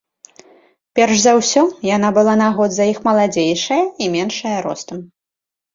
Перш за ўсё, яна была на год за іх маладзейшая і меншая ростам.